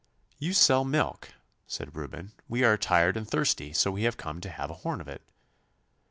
'You sell milk,' said Reuben. 'We are tired and thirsty, so we have come to have a horn of it.